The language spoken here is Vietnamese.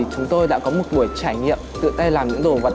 chúng tôi đã có một buổi trải nghiệm tự tay làm những đồ vật bằng gói